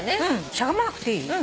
しゃがまなくていい？